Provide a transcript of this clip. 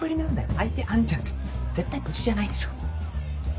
相手アンちゃんって絶対無事じゃないでしょ。